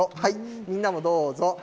みんなもどうぞ。